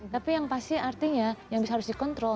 tapi yang pasti artinya yang harus dikontrol